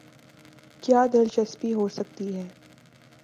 کیا دلچسپی ہوسکتی ہے۔